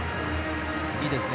いいですね。